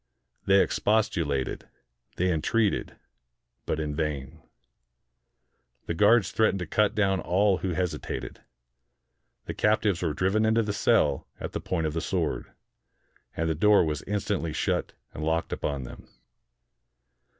They expostulated; they entreated; but in vain. The guards threatened to cut down all who hesitated. The captives were driven into the cell at the point of the sword, and the door was instantly shut and locked upon them.